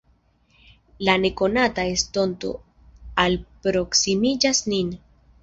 La nekonata estonto alproksimiĝas nin.